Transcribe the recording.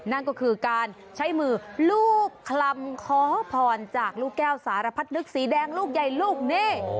นั่นก็คือการใช้มือลูกคลำขอพรจากลูกแก้วสารพัดนึกสีแดงลูกใหญ่ลูกนี้